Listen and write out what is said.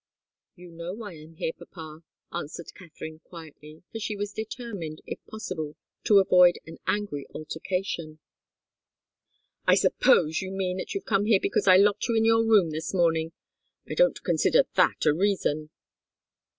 "You know why I'm here, papa," answered Katharine, quietly, for she was determined, if possible, to avoid an angry altercation. "I suppose you mean that you've come here because I locked you in your room this morning. I don't consider that a reason."